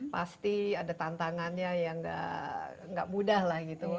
pasti ada tantangannya yang nggak mudah lah gitu